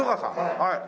はい。